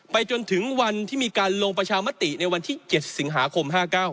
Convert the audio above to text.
จนถึงวันที่มีการลงประชามติในวันที่๗สิงหาคม๕๙